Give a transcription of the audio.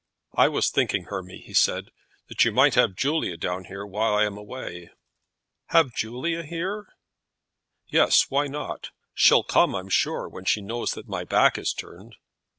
"I was thinking, Hermy," he said, "that you might have Julia down here while I am away." "Have Julia here?" "Yes; why not? She'll come, I'm sure, when she knows that my back is turned."